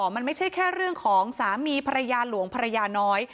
มันไม่ใช่แค่เรื่องของสามีภรรยาหลวงภรรยาน้อย